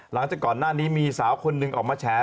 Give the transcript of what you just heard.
หลังจากก่อนหน้านี้มีสาวคนหนึ่งออกมาแฉ